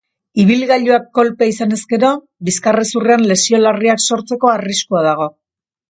Ibilgailuak kolpea izanez gero, bizkarrezurrean lesio larriak sortzeko arriskua dago.